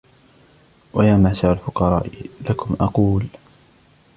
وَيَا مَعْشَرَ الْفُقَرَاءِ لَكُمْ أَقُولُ